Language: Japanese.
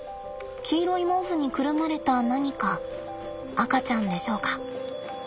黄色い毛布にくるまれた何か赤ちゃんでしょうか。